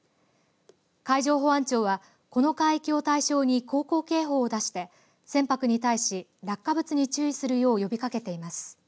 海上保安庁はこの海域を対象に航行警報を出して船舶に対し落下物に注意するよう呼びかけています。